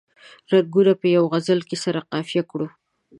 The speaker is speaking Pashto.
رنګونه په یوه غزل کې سره قافیه کړو.